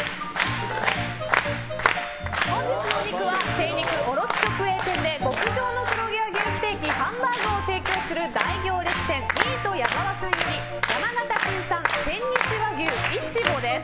本日のお肉は、精肉卸直営店で極上の黒毛和牛ステーキ・ハンバーグを提供する大行列店ミート矢澤さんより山形県産千日和牛イチボです。